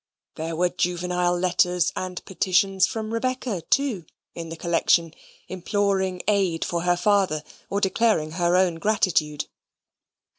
There were juvenile letters and petitions from Rebecca, too, in the collection, imploring aid for her father or declaring her own gratitude.